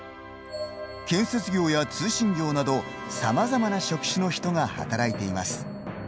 建設業や通信業などさまざまな職種の人が働いています。